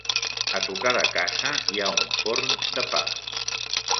A tocar de casa hi ha un forn de pa.